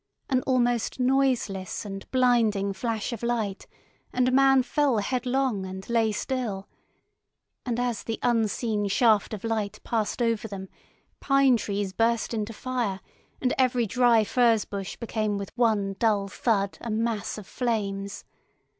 An almost noiseless and blinding flash of light, and a man fell headlong and lay still; and as the unseen shaft of heat passed over them, pine trees burst into fire, and every dry furze bush became with one dull thud a mass of flames.